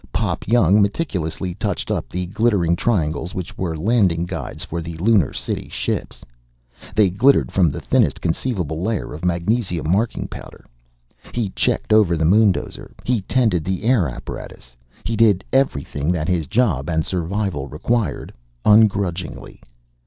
Pop Young meticulously touched up the glittering triangles which were landing guides for the Lunar City ships. They glittered from the thinnest conceivable layer of magnesium marking powder. He checked over the moondozer. He tended the air apparatus. He did everything that his job and survival required. Ungrudgingly.